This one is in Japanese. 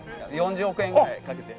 ４０億円ぐらいかけて。